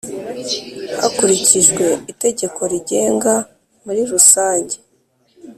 hakurikijwe Itegeko rigenga muri rusange